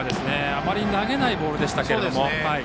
あまり投げないボールでしたが。